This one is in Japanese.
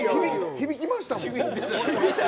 響きましたもん。